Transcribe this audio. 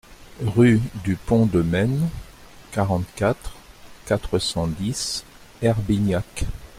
Rue du Pont de Men, quarante-quatre, quatre cent dix Herbignac